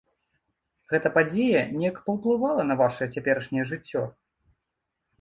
Гэта падзея неяк паўплывала на ваша цяперашняе жыццё?